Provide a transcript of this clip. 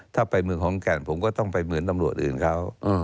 ถ้าไปเมืองขอนแก่นผมก็ต้องไปเหมือนตำรวจอื่นเขา